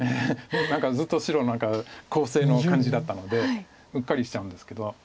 何かずっと白攻勢の感じだったのでうっかりしちゃうんですけど。